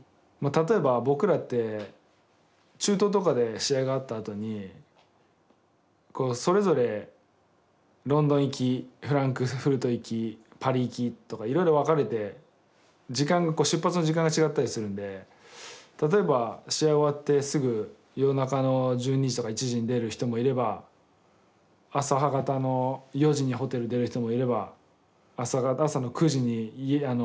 例えば僕らって中東とかで試合があったあとにそれぞれロンドン行きフランクフルト行きパリ行きとかいろいろ分かれて出発の時間が違ったりするんで例えば試合終わってすぐ夜中の１２時とか１時に出る人もいれば朝方の４時にホテル出る人もいれば朝の９時にホテル出る人もいるんすよね。